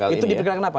itu diperkirakan apa